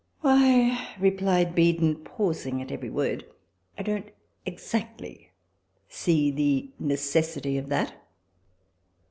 " Why," repiled Beadon, pausing at every word, " I don't exactly see the necessity of that."